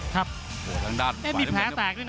ไม่มีแผลแตกด้วยนะ